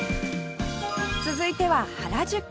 続いては原宿